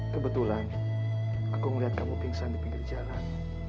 kebetulan aku melihat kamu pingsan di pinggir jalan